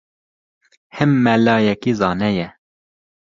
Him melayekî zana ye